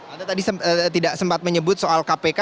anda tadi tidak sempat menyebut soal kpk